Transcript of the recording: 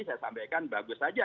saya sampaikan bagus saja